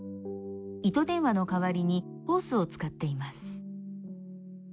糸電話の代わりにホースを使っています。